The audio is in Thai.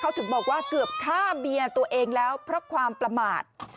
เขาถึงบอกว่าเกือบฆ่าเมียตัวเองแล้วเพราะความประมาท